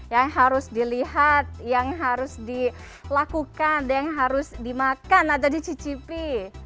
yang harus dilihat yang harus dilakukan yang harus dimakan atau dicicipi